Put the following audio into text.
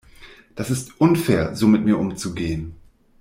Das ist unfair, so mit mir umzugehen.